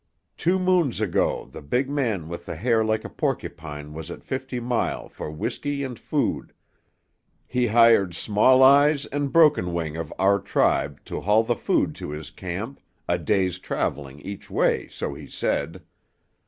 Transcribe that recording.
Two moons ago the big man with the hair like a porcupine was at Fifty Mile for whisky and food. He hired Small Eyes and Broken Wing of our tribe to haul the food to his camp, a day's travelling each way, so he said.